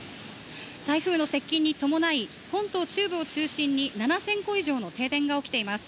台風の接近に伴い本島中部を中心に７０００戸以上の停電が起きています。